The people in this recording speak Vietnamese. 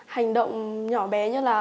hành động nhỏ bé như là